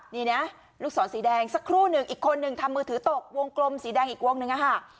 นี่นะลูกศรสีแดงสักครู่หนึ่งอีกคนนึงทำมือถือตกวงกลมสีแดงอีกวงหนึ่งอะค่ะ